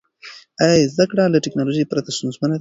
آیا زده کړه له ټیکنالوژۍ پرته ستونزمنه ده؟